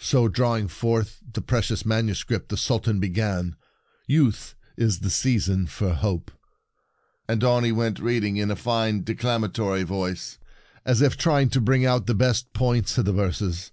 So, drawing forth the pre cious manuscript, the Sultan began, " Youth is the season for hope," and on he went, reading in a fine declamatory voice, as if trying to bring out the best points in the verses.